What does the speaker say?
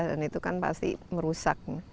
dan itu kan pasti merusak